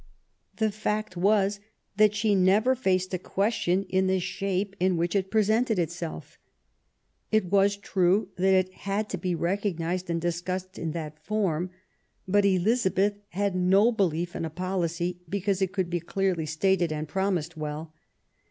The fact was that she never faced a question in the shape in which it presented itself. It was true that it had to be recognised and discussed in that form ; but Elizabeth had no belief in a policy because it could be clearly stated and promised well.